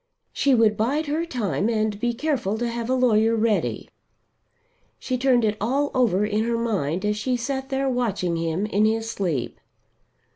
She would bide her time and be careful to have a lawyer ready. She turned it all over in her mind, as she sat there watching him in his sleep.